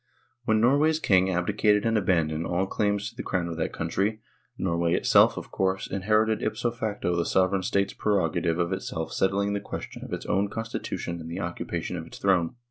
When Norway's king abdicated and abandoned all claims to the crown of that country, Norway itself, of course, inherited ipso facto the sovereign state's prerogative of itself settling the question of its own constitution and the occupa tion of its throne.